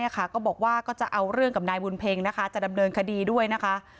ก็บอกว่าก็จะเอาเรื่องกับนายบุญเพ็งนะคะจะดำเนินคดีด้วยนะคะ